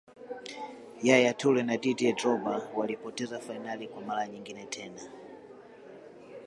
yaya toure na didier drogba walipoteza fainali kwa mara nyingine